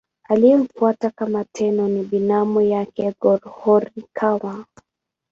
Aliyemfuata kama Tenno ni binamu yake Go-Horikawa.